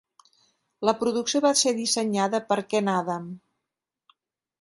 La producció va ser dissenyada per Ken Adam.